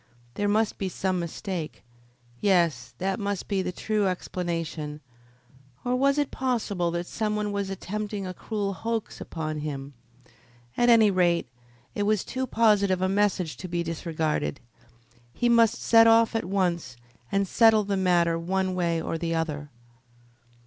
There must be some mistake. Yes, that must be the true explanation; or was it possible that some one was attempting a cruel hoax upon him? At any rate, it was too positive a message to be disregarded. He must set off at once and settle the matter one way or the other.